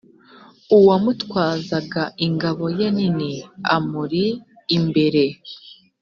uwamutwazaga ingabo ye nini amuri imbere